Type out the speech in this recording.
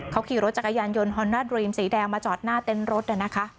เขาขี่รถจักรยานยนต์ฮอนนาดรีมสีแดงมาจอดหน้าเต้นรถนะคะ